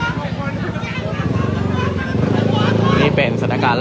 การประตูกรมทหารที่สิบเอ็ดเป็นภาพสดขนาดนี้นะครับ